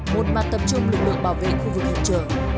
một mặt tập trung lực lượng bảo vệ khu vực hiện trường